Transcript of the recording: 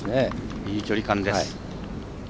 いい距離感です。